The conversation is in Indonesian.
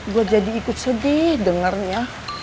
gue jadi ikut sedih dengarnya